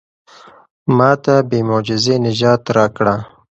ما ته بې معجزې نجات راکړه.